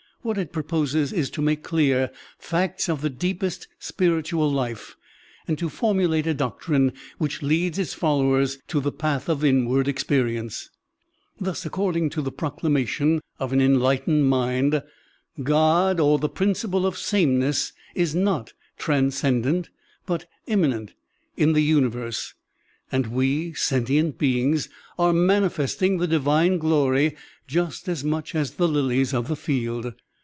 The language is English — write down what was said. What it proposes is to make clear facts of the deepest spiritual life and to formulate a doctrine which leads its followers to the path of inward experience. Thus, according to the proclamation of an enlightened mind, God or the principle of same ness is not transcendent, but immanent in the universe, and we sentient beings are manifesting the divine glory just as much as the lilies of the field.